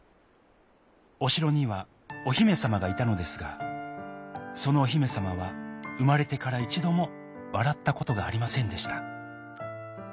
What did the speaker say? おしろにはおひめさまがいたのですがそのおひめさまはうまれてからいちどもわらったことがありませんでした。